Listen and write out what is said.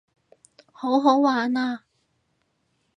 好好玩啊